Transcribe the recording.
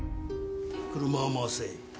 車を回せ。